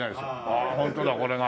ああホントだこれが。